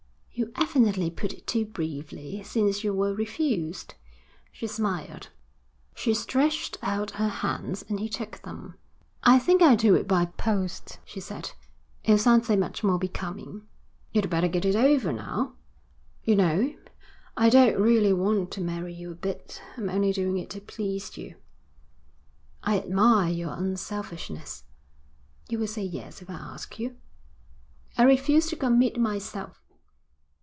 'You evidently put it too briefly, since you were refused,' she smiled. She stretched out her hands, and he took them. 'I think I'll do it by post,' she said. 'It'll sound so much more becoming.' 'You'd better get it over now.' 'You know, I don't really want to marry you a bit. I'm only doing it to please you.' 'I admire your unselfishness.' 'You will say yes if I ask you?' 'I refuse to commit myself.'